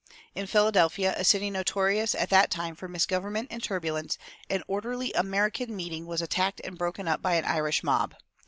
In Philadelphia, a city notorious at that time for misgovernment and turbulence, an orderly "American" meeting was attacked and broken up by an Irish mob.